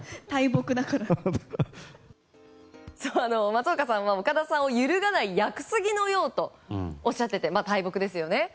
松岡さんは岡田さんを揺るがない屋久杉のようとおっしゃっていて大木ですよね。